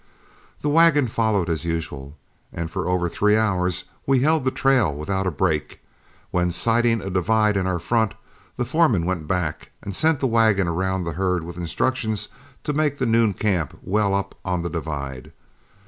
The wagon followed as usual, and for over three hours we held the trail without a break, when sighting a divide in our front, the foreman went back and sent the wagon around the herd with instructions to make the noon camp well up on the divide.